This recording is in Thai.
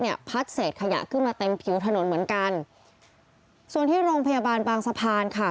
พัดเศษขยะขึ้นมาเต็มผิวถนนเหมือนกันส่วนที่โรงพยาบาลบางสะพานค่ะ